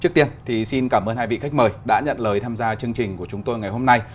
trước tiên thì xin cảm ơn hai vị khách mời đã nhận lời tham gia chương trình của chúng tôi ngày hôm nay